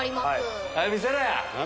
早見せろや！